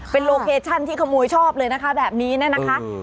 เป็นโลเคชั่นที่ขโมยชอบเลยนะคะแบบนี้เนี่ยนะคะ